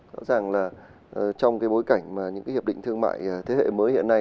rõ ràng là trong bối cảnh những hiệp định thương mại thế hệ mới hiện nay